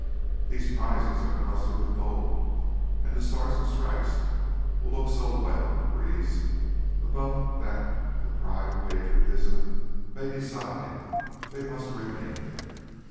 These prizes are crusted with gold; and the stars and stripes will look so well in the breeze above that the pride of patriotism may decide they must remain there.